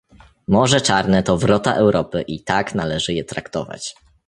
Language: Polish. Morze Czarne to wrota Europy i tak należy je traktować